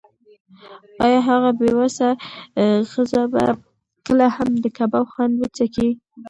ایا هغه بې وسه ښځه به کله هم د کباب خوند وڅکي؟